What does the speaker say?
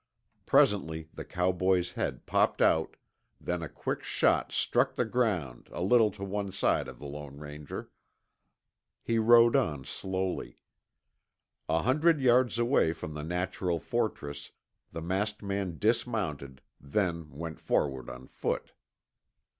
Presently the cowboy's head popped out, then a quick shot struck the ground a little to one side of the Lone Ranger. He rode on slowly. A hundred yards away from the natural fortress, the masked man dismounted, then went forward on foot.